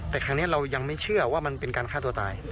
แต่ครั้งนี้เรายังไม่เชื่อว่ามันเป็นการฆ่าตัวตาย